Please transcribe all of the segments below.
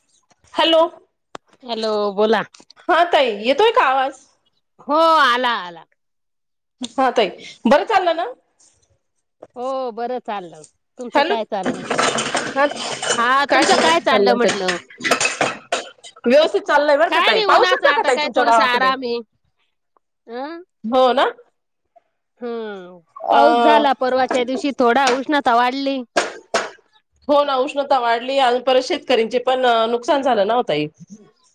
[inaudible] Hello! Hello बोला. हा ताई येतोय का आवाज हो आला आला त बरं चालत ना हो बरं चाललं तुमचं हॅलो काय चाललं, हा हा तुमचं काय व्यवस्थित चाललं चाललंय म्हंटल? ताई व्यवस्थित चाललंय बरं का काय ताई नाही पाऊस उन्हाच होता का आता ताई काय तुमच्या थोडस गावाकडे आराम आहे अं. हो ना हम्म अ पाऊस झाला परवाच्या दिवशी थोडा उष्णता वाढली. हो ना उष्णता वाढली आणि परत शेतकरीची पण नुकसान झालं नाओ ताई.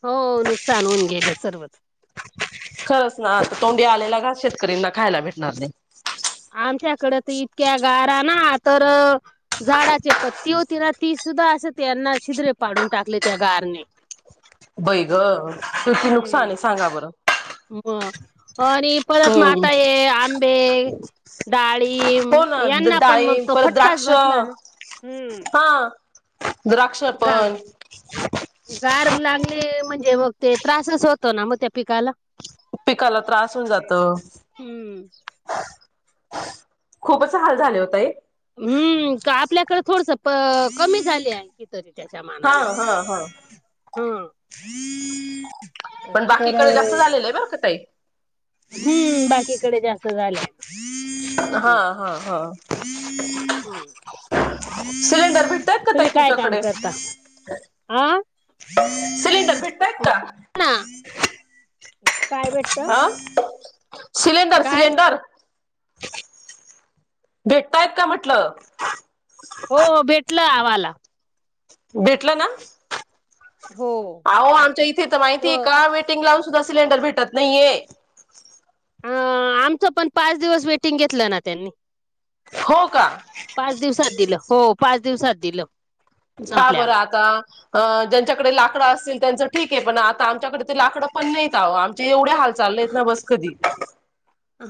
हो नुकसान होऊन गेलं सर्वच. ते आलेला घास शेतकऱ्यांना खायला भेटणार नाही. आमच्याकडे तर इतक्या गारा ना तर, झाडाची पत्ती होती ना ती सुद्धा असं त्यांना छिदरे पाडून टाकले त्या गारने, बई गं! किती नुकसान आहे सांगा बरं. मग आणि [unintelligible] परत म हम्म आता हे आंबे, डाळीब हो ना यांना पण मग- तो फटकाच बसला ना. हम्म. हां द्राक्ष गा पण, गार लागली म्हणजे मग ते त्रासच होतो ना मग त्या पिकाला. पिकाला त्रास होऊन जातं. हम्म. खूपच हाल झाले होत. हम्म आपल्याकडे थोडस कमी झाले आहे. तरी त्याच्या हा मानानं, हा हा. हं [inaudible] पण बाकीकडे जास्त झालेलं आहे बरं का ते, हम्म, बाकीकडे जास्त झालंय. हा हा हा हा हो. [unintelligible] सिलेंडर भेटतायत का ताई तुम्ही काय काम तुमच्याकडे? करता हा सिलेंडर भेटतायेत काय भेटतं? का अ काय सिलेंडर-सिलेंडर भेटतायेत का म्हटलं? हो भेटलं आव्हाल. भेटल ना हो. आहो आमच्या इथे तर हो माहितीये का वेटिंग लावून सुद्धा सिलेंडर भेटत नाहीये अ आमच पण पाच दिवस वेटिंग घेतल ना त्यांनी. हो का? पाच दिवसात दिल हो पाच दिवसात दिल. का बर आता अ ज्यांच्याकडे लाकड असतील त्यांच ठीकये पण आता आमच्याकड लाकड पण नाहीेत आवो चे येवढे हाल चाललेत ना बस कधी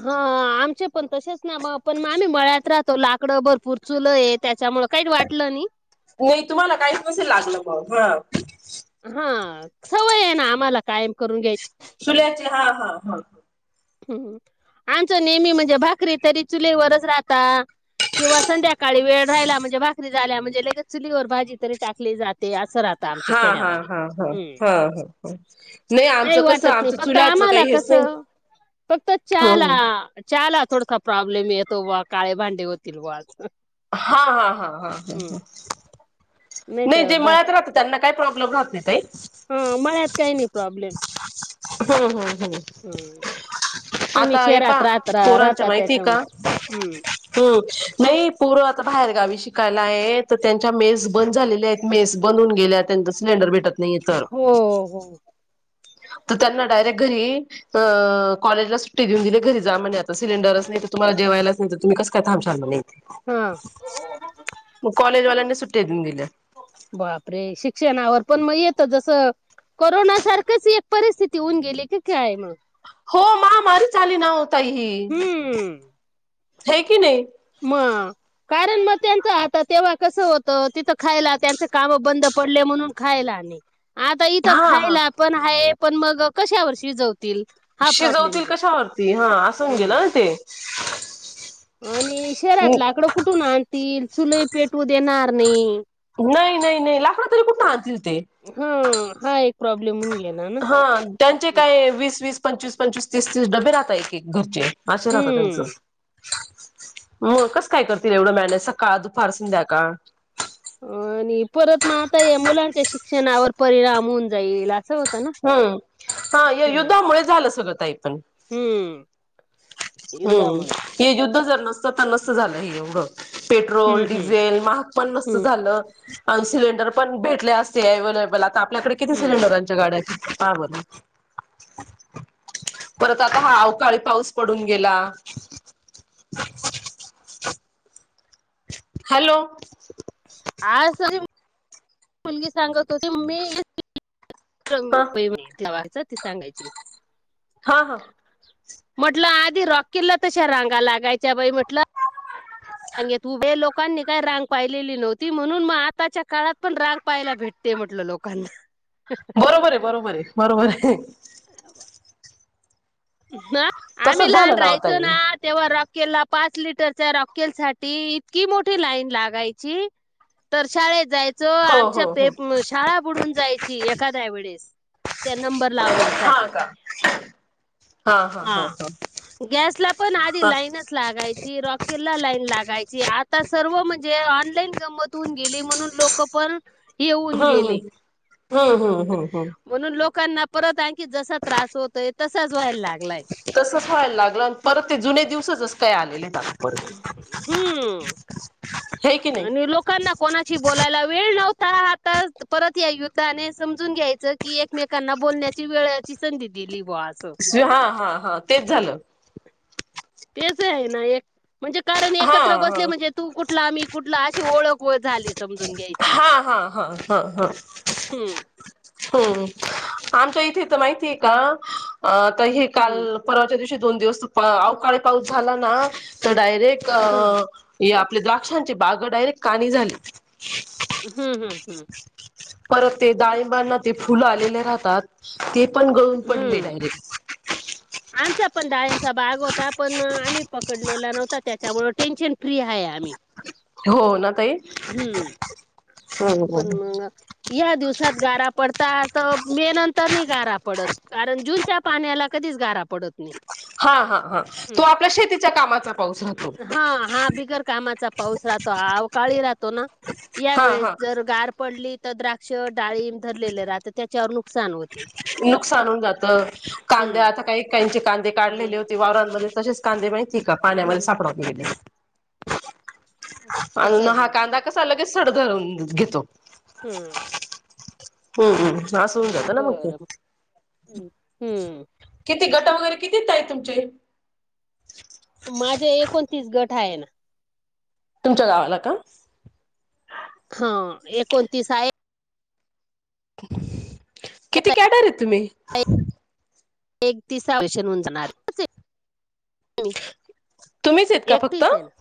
हा आमचे पण तसेच ना म पण मग आम्ही मळ्यात राहतो लाकड भरपूर चुलये त्याच्यामुळ काही वाटल नाही. नाही तुम्हाला काहीच नसे लागल बॉ ह हा सवय ये ना आम्हाला कायम करून घ्यायची. चुल्याची हा हा हा. आमच नेहमी म्हणजे भाकरी तरी चुलीवरच राहता किंवा संध्याकाळी वेळ राहियला म्हणजे भाकरी झाल्या म्हणजे लगेच चुलीवर भाजी तरी टाकली जाते अस राहत. हा हा हा हा हा ह नाही आमच काही कस वाटत नाही आमच फक्त चुलाच आम्हाला काही हेच नाही. [inaudible] कसं फक्त ह चाला चाला थोडासा प्रॉब्लेम येतो बॉ काळे भांडे होतील बॉ अस हा हा हा ह नाही तर ते बाय मळ्यात राहता त्यांना काही प्रॉब्लेम राहत नाही ताई? हम्म मळ्यात काही नाही प्रॉब्लेम. हम्, हम्, हम्. हम्म तुम्ही आता हे शहरात पा राहत पोरांच्या राहता माहितीये का? त्याच्यामुळे हम्म हम्म, नाही पोर आता बाहेरगावी शिकायलाये तर त्यांच्या मेस बंद झालेल्या येत मेस बंद होवून गेल्यात त्यांचा सिलेंडर भेटत नाहीये हो हो. त त्यांना डायरेक्ट घरी अ कॉलेजला सुट्टी देऊन दिली घरीच जा म्हणे आता सिलेंडरच नाही तुम्हाला जेवायलाच नाही तर तुम्ही कस काय थांबशाल म्हणे हम्म म कॉलेजवाल्यांनी सुट्टी देऊन दिल्या बापरे शिक्षणावर पण मग येत जस कोरोनासारखिच एक परिस्थिती होऊन गेली की काय म हो महामारी झाली ना वो ताई ही हे की नई म कारण मग त्यांच आता तेव्हा कस होत तिथ खायला त्यांच काम बंद पडले म्हणून खायला आणि आता इथ हा हा खायला पण हाय पण मग कशावर शिजवतील हा प्रॉब्लेम शिजवतील कशावरती हा अस होईल हम्म ना ते आणि शहरात लाकड कुठून आणतील चुलई पेटवू देणार नाही. नाही, नाही नाही, लाकडं तरी कुठून आणतील ते? हा हा एक प्रॉब्लेम [unintelligible] हा त्यांचे काय वीस, वीस, पंचवीस, पंचवीस, तीस, तीस डबे राहताय की एक, एक घरचे. आशे राहता तेचं हम्म. मग कसं काय करतील एवढं मॅनेज? सकाळ, दुपार, संध्याकाळ. आणि परत म आता या मुलांच्या शिक्षणावर परिणाम होऊन जाईल असं होत हम्म ह्या युद्धामुळे झालं सगळं ताई पण हम्म. हम्म युद्धामुळे हे युद्ध जर नसतं, तर नसतं झालं हे एवढं. पेट्रोल, हम्म हम्म डिझेल महाग पण नसतं हम्म झालं. आण सिलेंर पण भेटले असते, अव्हेलेबल आता आपल्याकडे किती हम्म. सिलेंडर आहेत? च्या गाड्या मागवत. परत आता हा अवकाळी पाऊस पडून गेला हॅलो. आज तरी मुलगी सांगत होती हा [unintelligible] ती सांगायची. हा हा. म्हटलं आधी रॉकेलला तश्या रांगा लागायच्या बाई म्हटलं. रांगेत उभे लोक लोकांनी काय रांग पाहिलेली नव्हती, म्हणून म आताच्या काळात पण रांग पाहायला भेटते म्हटलं लोकांना. बरोबर हे, बरोबर हे, बरोबर हे. ह आम्ही तसच लहान झालं ओ राहायचो ताई ना तेव्हा रॉकेलला पाच लिटरच्या रॉकेल साठी इतकी मोठी लाईन लागायची तर शाळेत जायचो हो आमच्या हो हो पेप शाळा बुडून जाय ची, एखाद्या वेळेस त्या नंबर लावण्यासा [inaudible] हा. गॅस ला पण आधी हा लाईनच लागायची रॉक केलला लाईन लागायची, आता सर्व म्हणजे ऑनलाईन गंमत होऊन गेली म्हणून लोक पण येऊन हम्म हम्म गेले. हम्म हम्म हम्म हम्म म्हणून लोकांना परत आणखी जसा त्रास होतोय तसाच व्हायला लागलाय. तसच व्हायला लागलं आणि परत ते जुने दिवसच जस काय आलेले. परत हम्म हे की नाही आणि लोकांना कोणाशी बोलायला वेळ नव्हता, आता परत या युद्धाने समजून घ्यायचं की एक मेकांना बोलण्याची वेळची संधी दिली बुवा आसं सी हा हा हा तेच झालं. तेच आहे ना एक म्हणजे कारण हा एकत्र हा बसले म्हणजे तू कुठला, मी कुठला, अशी ओळख व झाली समजून घ्यायची. हा हा हा हा ह. हम्म. हम्म आमच्या इथे तर माहितीय का आता हे काल हम्म. परवाच्या दिवशी दोन दिवस प अवकाळी पाऊस झाला ना तर डायरेक्ट अ हं. ही आपली द्राक्षांची बाग डायरेक्ट काणी झाली. हम्म हम् हम्. परत ते डाळिंबांना ते फुलं आलेले राहतात, ते पण गळून पडले हम्म. डायरेक्ट. आमचा पण डाळिंबचा बाग होता, पण आम्ही पकडलेला नव्हता त्यांच्यामुळ टेन्शन फ्री हाय आम्ही. हो ना ताई, हम्म. हो हो. हया दिवसात गारा पडतात. मे नंतर नाही गारा पडत. कारण जूनच्या पाण्याला कधीच गारा पडत नाही. हा, हा, हा तो आपल्या शेतीच्या कामाचा पाऊस राहतो. हा हा बिगर कामाचा पाऊस राहतो अवकाळी राहतो ना हा यावेळेस हा जर गार पडली तर द्राक्ष, डाळींब धरलेले राहतं त्याच्यावर नुकसान होते चालून जात हम्म कांद्या आता काहीचे कांदे काढलेले हम्म होते वाववरांमध्ये तसेच कांदे माहितेय का पाण्यामध्ये हम्म सापडावात गेले. हो आणि हा कांदा कसा लगेच सड धरून घेतो. हम्म हम्म, हम्म हा असं होऊन जात ना मग ते बर हम्म किती गट वगैरे किती आहेत ताई तुमचे माझे एकोणतीस गट आहेत. तुमच्या गावाला का? हा एकोणतीस आहेत. किती क्याडर आहेत तुम्ही? एक तीस होऊन जाणार तसे तुम्हीच आहेत का फक्त एकतीस आहेत.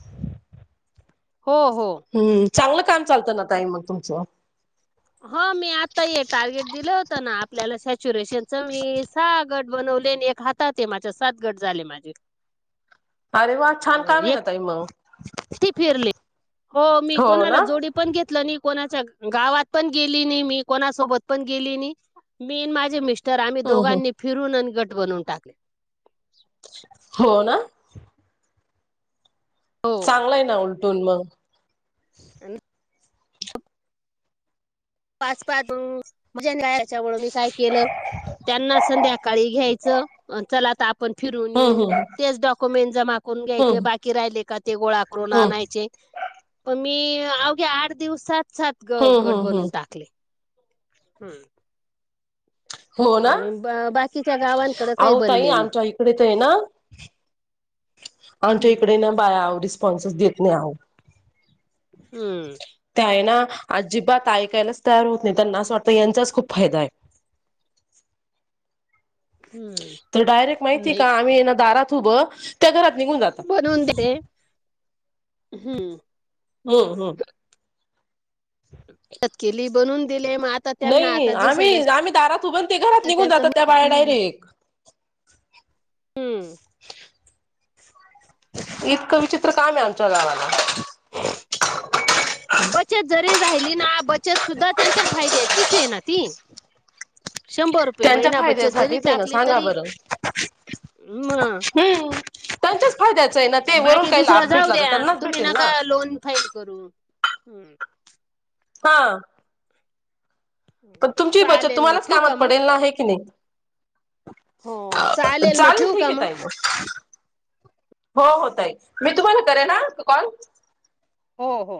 हो, हो हम्म चांगलं काम चालतं ना ताई मग तुमचं हो मी आता ये टार्गेट दिलं होत ना आपल्याला सॅच्युरेशनच मी साहा गट बनवले एक हात सात, सात गट झाले माझे अरे वा छान काम आहे ना तई मगं ती फिरली हो मी कोणाला जोडी पण घेतलं नाही कोणाच्या गावात पण गेली नाही मी कोणासोबत पण गेली नाही. मी आणि माझे मिस्टर आम्ही हम्म हम्म दोघांनी फिरून आणि गट बनवून टाकले. हो ना. हो. चांगला आहे ना उलटून मगं ह ना पाच पाठवू. यांच्यामुळे मी काय केलं त्यांना संध्याकाळी घ्यायचं चला आता पण फिरून येऊ हम्म हम्म तेच डॉक्युमेंट जमा करून घ्यायचे हम्म बाकी राहिले का ते गोळा करून हम्म आणायचे. पण मी अवघे आठ दिवस सात हम्म गट हम्म बनून हम्म टाकले. हम्म हो ना आणि बा बाकीच्या गावांकडे काही आहो ताई बनले नाही आमच्या इकडे तर आहे नां आमच्या हम्म ईकडनां ना बाया रिस्पॉन्सेस देत नाही आहो. हम्म त्या आहे ना अजिबात ऐकायलाच तयार होत नाही त्यांना असं वाटत यांचाच खूप फायदा आहे. हम्म तर डायरेक्ट माहितीय नाही का? आम्ही दारात उभं त्या घरात निघून जातात. बनवून दे रे. हम्म हम्म हम्म आता केली बनून दिले मग त्यांना नाही आता जसं आम्ही, जसं आम्ही दारात उभं ते घरात निघून त्यांचं जातात त्या बाया हम्म डायरेक्ट हम्म इतकं विचित्र काम आहे आमच्या गावाात ह बचत जरी राहिली ना बचत सुद्धा त्यांच्या फायद्याचीच आहे ना ती. शंभर रुपये त्यांच्या महिना बचत जरी फायद्यासाठीच आहे ना टाकली सांगा तरी बरं मग हम्म. त्यांच्याच फायद्याचं आहे ना ते वरून बाकी काही दुसरं लाभ जाऊ भेटला तर द्या त्यांनाच तुम्ही भेटेल ना. नका लोन फाईल करू. हम्म हा पण तुमची बचत चालेल मग तुम्हालाच ठेवू का कामात मग? पडेल आहे की नाही? हो मग चालेल ठेवू ठीक का आहे ताई मग. हो हो ताई मी तुम्हाला करेन हा कॉल. हो हो